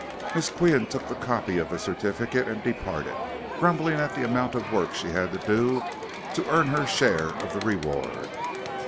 Miss Qian took the copy of the certificate and departed, grumbling at the amount of work she had to do to earn her share of the reward.